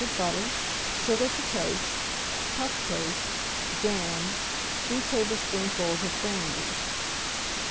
of butter, sugar to taste, puff paste, jam, 3 tablespoonfuls of brandy.